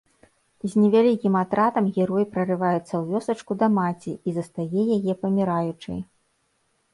З невялікім атрадам герой прарываецца ў вёсачку да маці і застае яе паміраючай.